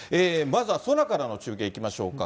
まずは空からの中継、いきましょうか。